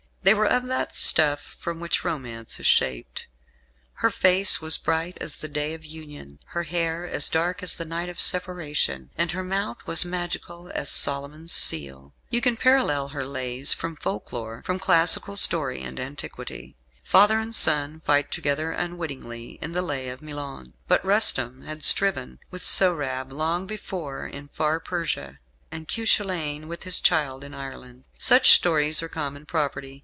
They were of that stuff from which romance is shaped. "Her face was bright as the day of union; her hair dark as the night of separation; and her mouth was magical as Solomon's seal." You can parallel her "Lays" from folklore, from classical story and antiquity. Father and son fight together unwittingly in "The Lay of Milon"; but Rustum had striven with Sohrab long before in far Persia, and Cuchulain with his child in Ireland. Such stories are common property.